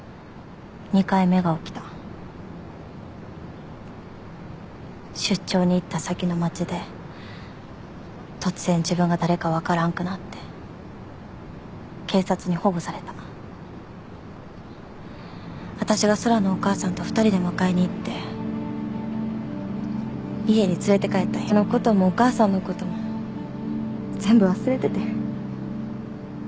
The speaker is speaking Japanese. ２回目が起きた出張に行った先の町で突然自分が誰かわからんくなって警察に保護された私が空のお母さんと２人で迎えにいって家に連れて帰ったんやけど全部忘れててん